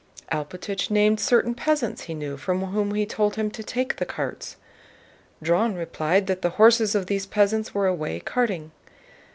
Alpátych named certain peasants he knew, from whom he told him to take the carts. Dron replied that the horses of these peasants were away carting.